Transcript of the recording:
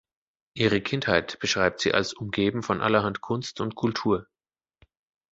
Ihre Kindheit beschreibt sie als „umgeben von allerhand Kunst und Kultur“.